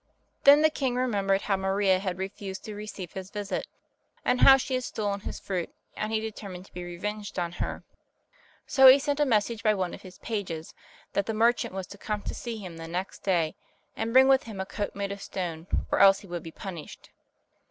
Then the king remembered how Maria had refused to receive his visit, and how she had stolen his fruit, and he determined to be revenged on her. So he sent a message by one of his pages that the merchant was to come to see him the next day, and bring with him a coat made of stone, or else he would be punished.